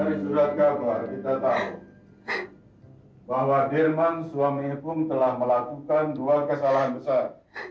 dari surat kabar kita tahu bahwa dirman suaminya pun telah melakukan dua kesalahan besar